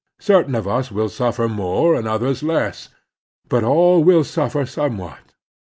Certain of us will suffer more, and others less, but all will suffer somewhat.